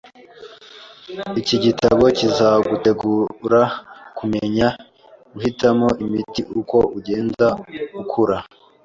Iki gitabo kizagutegura kumenya guhitamo imiti uko ugenda ukura.